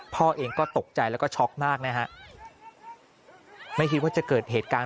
พ่อเองก็ตกใจและก็ช็อกมากนะฮะ